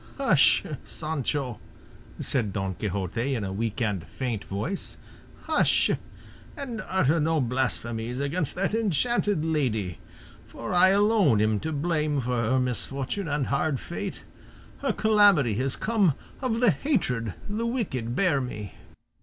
"Hush, Sancho," said Don Quixote in a weak and faint voice, "hush and utter no blasphemies against that enchanted lady; for I alone am to blame for her misfortune and hard fate; her calamity has come of the hatred the wicked bear me."